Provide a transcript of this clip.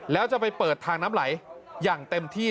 แล้วจะไปเปิดทางน้ำไหลอย่างเต็มที่